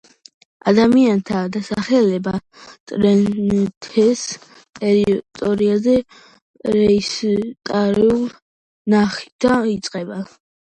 ადამიანთა დასახლება დრენთეს ტერიტორიაზე პრეისტორიული ხანიდან იწყება.